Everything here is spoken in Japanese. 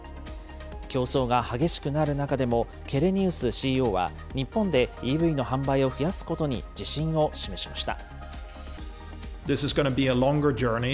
競争が激しくなる中でも、ケレニウスＣＥＯは、日本でＥＶの販売を増やすことに自信を示しました。